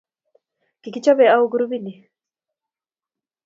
Kikichope au grupit ni?